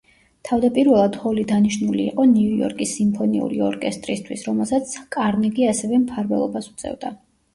თავდაპირველად ჰოლი დანიშნული იყო ნიუ-იორკის სიმფონიური ორკესტრისთვის, რომელსაც კარნეგი ასევე მფარველობას უწევდა.